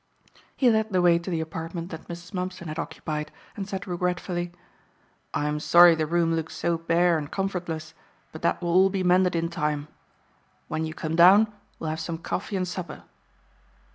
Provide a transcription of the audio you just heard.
He led the way to the apartment that Mrs. Mumpson had occupied and said regretfully, "I'm sorry the room looks so bare and comfortless, but that will all be mended in time. When you come down, we'll have some coffee and supper."